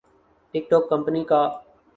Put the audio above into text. ٹک ٹوک کمپنی کا